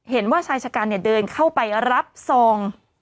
เห็นว่าชายชะกันเดินเข้าไปรับซอง